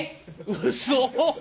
うそ？